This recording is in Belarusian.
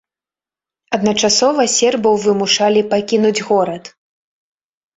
Адначасова сербаў вымушалі пакінуць горад.